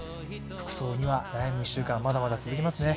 服装に悩む１週間まだまだ続きますね。